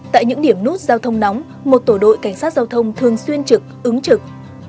tại những điểm nút giao thông nóng một tổ đội cảnh sát giao thông thường xuyên trực ứng trực